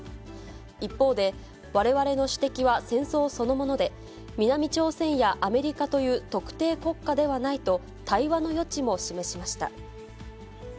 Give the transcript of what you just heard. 一方で、われわれの主敵は戦争そのもので、南朝鮮やアメリカという特定国家ではないと、対話の余地も示しました。